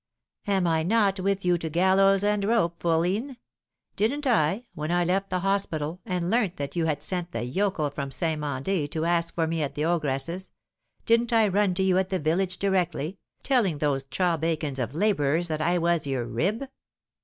"Am I not with you to gallows and rope, fourline? Didn't I, when I left the hospital, and learnt that you had sent the 'yokel' from St. Mandé to ask for me at the ogress's didn't I run to you at the village directly, telling those chawbacons of labourers that I was your rib?"